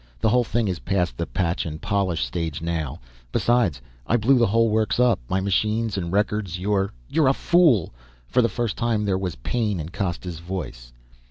"The whole thing is past the patch and polish stage now. Besides I blew the whole works up. My machines and records, your " "You're a fool!" For the first time there was pain in Costa's voice.